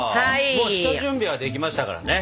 もう下準備はできましたからね。